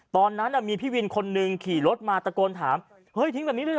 ตอนนั้นมีพี่วินคนหนึ่งขี่รถมาตะโกนถามเฮ้ยทิ้งแบบนี้เลยเห